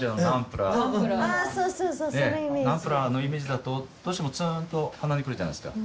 ナンプラーのイメージだとどうしてもつーんと鼻にくる。